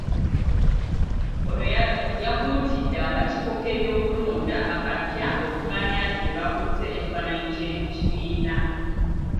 Ono yakuutidde akakiiko k’ebyokulonda akapya okumanya nti be bakutte ekifananyi ky'ekibiina.